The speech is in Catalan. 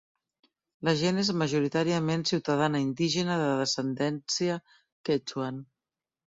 La gent és majoritàriament ciutadana indígena de descendència quechuan.